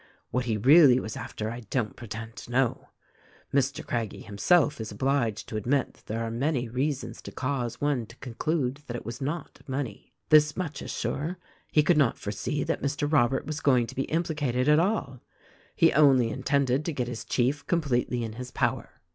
What he really was after I don't pretend to know. Mr. Craggie him self is obliged to admit that there are many reasons to cause one to conclude that it was not money. This much is sure : he could not foresee that Mr. Robert was going to be impli cated at all. He only intended to get his chief completely in his power.